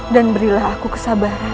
dan berilah aku kesabaran